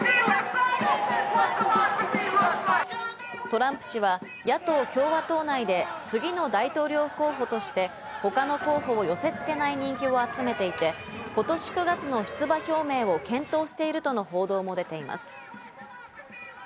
トランプ氏は野党・共和党内で次の大統領候補として他の候補を寄せ付けない人気を集めていて、今年９月の出馬表明を検討しているとの報道も出ています。